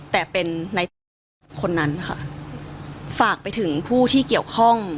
แต่เป็นในตำรวจคนนั้นค่ะฝากไปถึงผู้ที่เกี่ยวข้อง